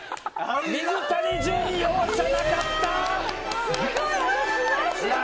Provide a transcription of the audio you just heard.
水谷隼、容赦なかった！